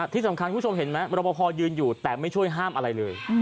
ที่สำคัญคุณผู้ชมเห็นไหมรบพอยืนอยู่แต่ไม่ช่วยห้ามอะไรเลย